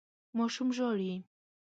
ماشوم ژاړي.